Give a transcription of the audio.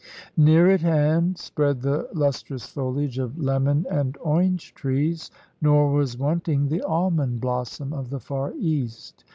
Near at hand spread the lustrous foliage of lemon and orange trees, nor was wanting the almond blossom of the far east.